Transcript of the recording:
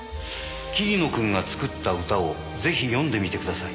桐野君が作った歌をぜひ読んでみてください。